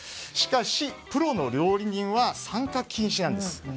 しかし、プロの料理人は参加禁止なんです。